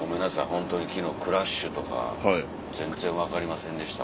ホントに昨日クラッシュとか全然分かりませんでした。